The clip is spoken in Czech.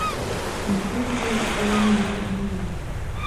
Následně byly odděleny ženy od mužů.